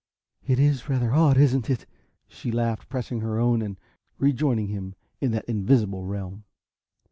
"It is rather odd, isn't it?" she laughed, pressing her own and joining him in that invisible realm.